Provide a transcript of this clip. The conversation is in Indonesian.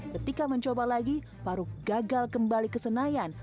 ketika mencoba lagi farouk gagal kembali ke senayan